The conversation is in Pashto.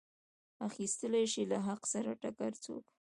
اخیستلی شي له حق سره ټکر څوک.